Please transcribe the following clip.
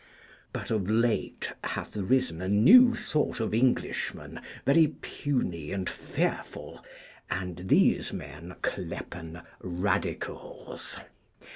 But of late hath risen a new sort of Englishman very puny and fearful, and these men clepen Radicals.